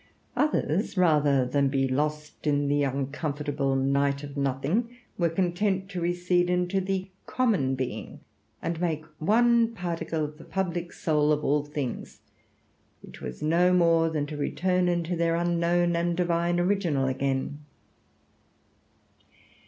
Others, rather than be lost in the uncomfortable night of nothing, were content to recede into the common being, and make one particle of the public soul of all things, which was no more than to return into their unknown and divine original again.